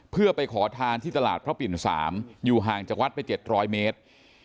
เพื่อไปขอทานที่ตลาดพระปิ่น๓อยู่ห่างจากวัดไป๗๐๐เมตร